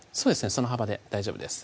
その幅で大丈夫です